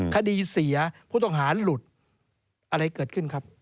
คดีเสียผู้ต้องหาหลุดอะไรเกิดขึ้นครับ